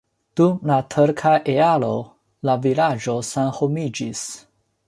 Dum la turka erao la vilaĝo senhomiĝis.